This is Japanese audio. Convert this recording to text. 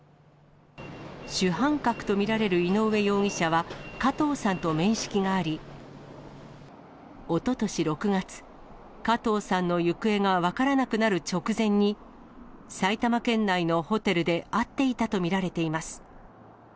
主犯格と見られる井上容疑者は、加藤さんと面識があり、おととし６月、加藤さんの行方が分からなくなる直前に、埼玉県内のホテルで会っていたと見られています。